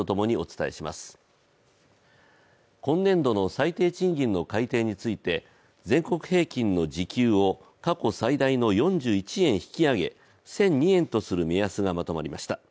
今年度の最低賃金の改定について全国平均の時給を過去最大の４１円引き上げ１００２円とする目安がまとまりました。